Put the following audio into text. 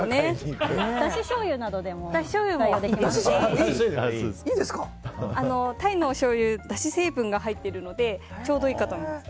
だししょうゆでも代用できますしタイのおしょうゆはだし成分が入っているのでちょうどいいかと思います。